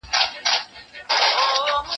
په یوه شېبه پر ملا باندي ماتېږې